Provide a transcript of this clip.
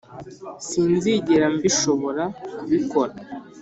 sinzigera mbishobora; kubikora